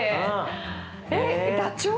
えっダチョウ？